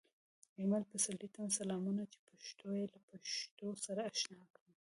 ایمل پسرلي ته سلامونه چې پښتو یې له پښتو سره اشنا کړم